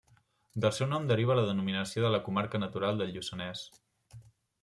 Del seu nom deriva la denominació de la comarca natural del Lluçanès.